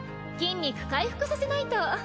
筋肉回復させないと。